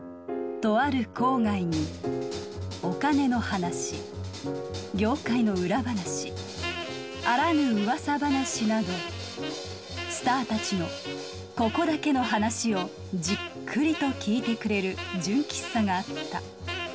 とある郊外にお金の話業界の裏話あらぬ噂話などスターたちのここだけの話をじっくりと聞いてくれる純喫茶があった。